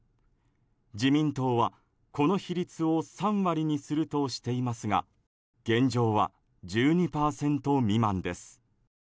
自民党は、この比率を３割にするとしていますが現状は１２％未満です。